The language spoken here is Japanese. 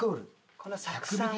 この酢酸を。